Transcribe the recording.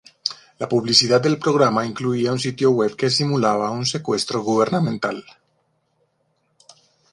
La publicidad del programa incluía un sitio web que simulaba un secuestro gubernamental.